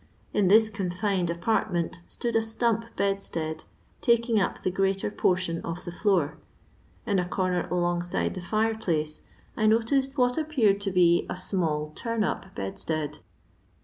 In this confined apartment stood a stump bedstead, taking up the greater portion of the floor. In a comer alongside the fire place I noticed what appeared to be a small tura up bedstead.